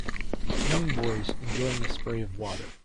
Young boys enjoying a spray of water.